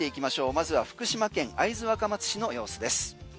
まずは福島県会津若松市の様子です。